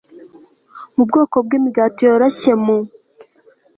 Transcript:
mu bwoko bwimigati yoroshye mu